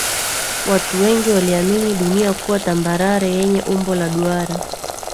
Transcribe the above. Watu wengi waliamini dunia kuwa tambarare yenye umbo la duara